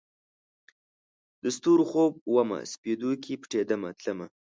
د ستورو خوب ومه، سپیدو کې پټېدمه تلمه